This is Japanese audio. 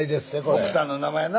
奥さんの名前な。